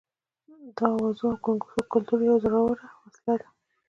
د اوازو او ګونګوسو کلتور یوه زوروره وسله ده.